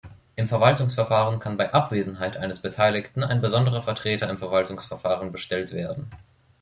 Im Verwaltungsverfahren kann bei Abwesenheit eines Beteiligten ein besonderer Vertreter im Verwaltungsverfahren bestellt werden.